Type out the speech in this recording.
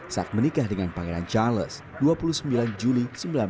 saat menikah dengan pangeran charles dua puluh sembilan juli seribu sembilan ratus enam puluh